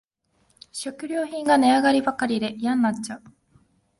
食料品が値上がりばかりでやんなっちゃう